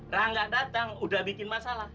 rangga datang udah bikin masalah